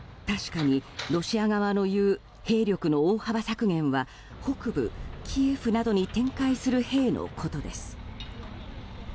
確かに、ロシア側のいう兵力の大幅削減は北部キエフなどに展開する兵のことです。